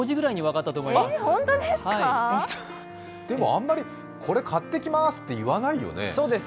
あんまり、これ買ってきますって言わないよね。